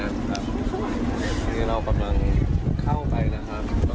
อันนี้เรากำลังเข้าไปนะครับ